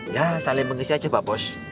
ya saling mengisi aja mbak bos